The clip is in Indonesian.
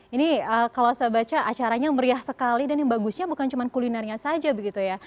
ini kalau saya baca acaranya meriah sekali dan yang bagusnya bukan cuma kulinernya saja begitu ya